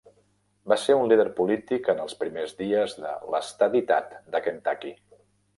Va ser un líder polític en els primers dies de "l'estaditat" de Kentucky.